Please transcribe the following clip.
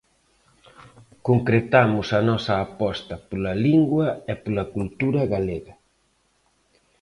Concretamos a nosa aposta pola lingua e pola cultura galega.